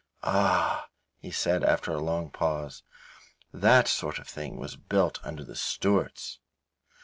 "Ah," he said, after a long pause, "that sort of thing was built under the Stuarts!"